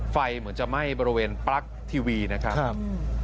ไฟเหมือนจะไหม้บริเวณปลั๊กทีวีนะครับ